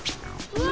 うわ！